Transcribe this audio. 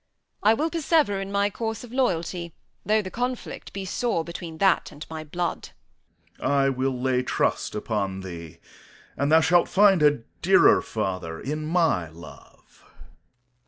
I will persever in my course of loyalty, though the conflict be sore between that and my blood. Corn. I will lay trust upon thee, and thou shalt find a dearer father in my love.